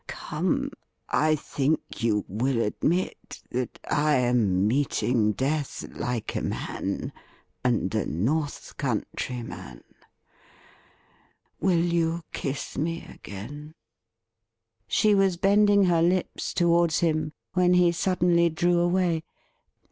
Come, I think you will admit that I am meeting death like a man, and a North Country man. Will you kiss me again ?' She was bending her lips towards him, when he suddenly drew away.